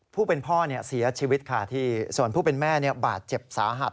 ผู้เป็นพ่อเสียชีวิตค่ะที่ส่วนผู้เป็นแม่บาดเจ็บสาหัส